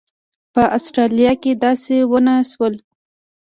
په اسټرالیا کې داسې ونه شول.